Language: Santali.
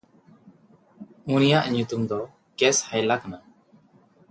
ᱩᱱᱤᱭᱟᱜ ᱧᱩᱛᱩᱢ ᱫᱚ ᱠᱮᱥᱦᱟᱭᱞᱟ ᱠᱟᱱᱟ᱾